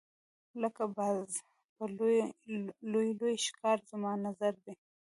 لکه باز په لوی لوی ښکار زما نظر دی.